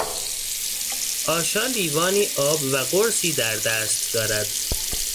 آشا لیوانی آب و قرصی در دست دارد